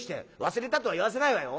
忘れたとは言わせないわよ！